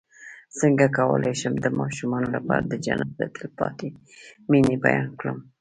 څنګه کولی شم د ماشومانو لپاره د جنت د تل پاتې مینې بیان کړم